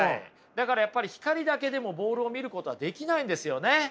だからやっぱり光だけでもボールを見ることはできないんですよね。